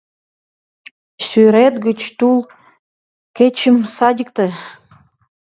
Сӱрет гыч тул кечым садикте